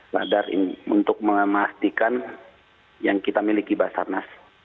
radar untuk memastikan yang kita miliki basarnas